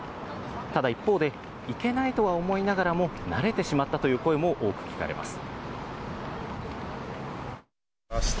ただ一方で、いけないとは思いながらも、慣れてしまったという声も多く聞かれます。